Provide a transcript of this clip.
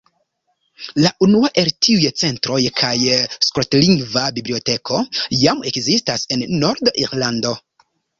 La unua el tiuj centroj kaj skotlingva biblioteko jam ekzistas en Nord-Irlando.